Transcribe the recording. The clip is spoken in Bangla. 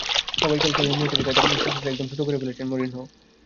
সবাই খেয়াল করলেন, মিলিটারি কায়দায় চুল ছেঁটে একদম ছোট করে ফেলেছেন মরিনহো।